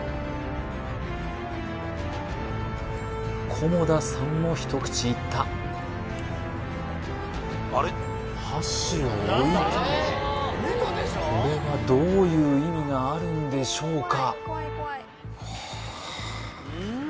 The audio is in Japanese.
菰田さんも一口いった箸を置いたこれはどういう意味があるんでしょうか？